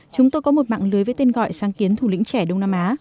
chúng tôi có một mạng lưới với tên gọi sáng kiến thủ lĩnh trẻ đông nam á